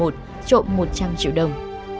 trộm một trăm linh triệu đồng